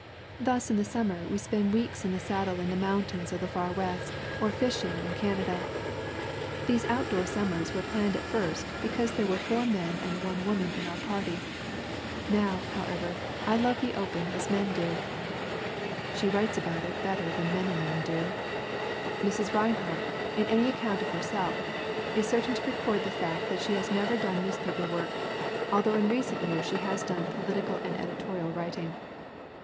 "Thus in the summer we spend weeks in the saddle in the mountains of the Far West, or fishing in Canada. ... These outdoor summers were planned at first because there were four men and one woman in our^party. Now, however, I love the open as men do/' She writes about it better than many men do. Mrs. Rinehart, in any account of herself, is certain to record the fact that she has never done newspaper work, although in recent years she has done "political and editorial writing."